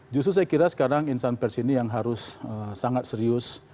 justru saya kira sekarang insan pers ini yang harus sangat serius